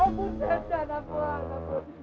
ampun setan apaan